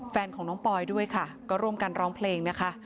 แฟนของน้องปอยด้วยค่ะก็ร่วมกันร้องเพลงนะคะ